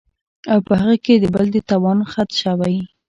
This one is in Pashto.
او پۀ هغې کې د بل د تاوان خدشه وي